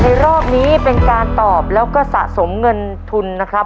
รอบนี้เป็นการตอบแล้วก็สะสมเงินทุนนะครับ